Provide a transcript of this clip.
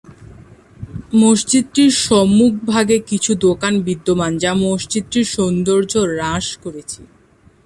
মসজিদটির সম্মুখভাগে কিছু দোকান বিদ্যমান যা মসজিদটির সৌন্দর্য হ্রাস করেছে।